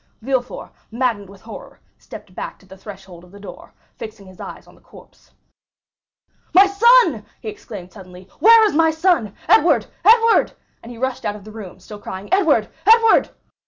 Villefort, maddened with horror, stepped back to the threshhold of the door, fixing his eyes on the corpse. "My son!" he exclaimed suddenly, "where is my son?—Edward, Edward!" and he rushed out of the room, still crying, "Edward, Edward!"